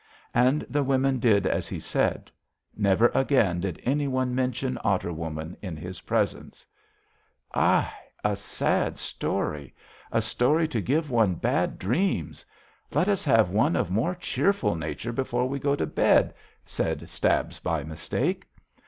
"And the women did as he said. Never again did any one mention Otter Woman in his presence." "Ai! A sad story! A story to give one bad dreams! Let us have one of more cheerful nature before we go to bed," said Stabs by Mistake.